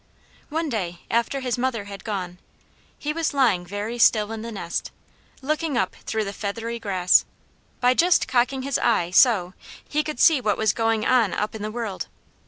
One day, after his mother had gone, he was lying very still in the nest, looking up through the feathery grass. By just cocking his eye, so, he could see what was going on up in the world.